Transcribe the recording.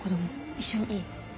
一緒にいい？